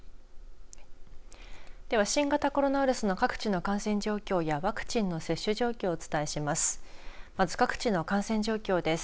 では新型コロナウイルスの各地の感染状況やワクチンの接種状況をお伝えします。